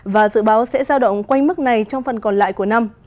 và dự báo sẽ giao động quanh mức này trong phần còn lại của năm